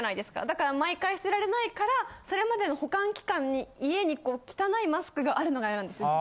だから毎回捨てられないからそれまでの保管期間に家にこう汚いマスクがあるのが嫌なんですよ。